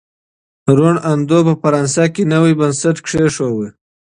روڼ اندو په فرانسه کي نوی بنسټ کیښود.